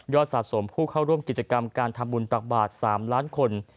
สะสมผู้เข้าร่วมกิจกรรมการทำบุญตักบาท๓ล้านคน